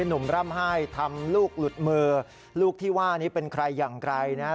หนุ่มร่ำไห้ทำลูกหลุดมือลูกที่ว่านี้เป็นใครอย่างไรนะฮะ